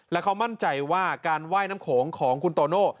และเขามั่นใจว่าการว่ายน้ำโขงของคุณโตโน่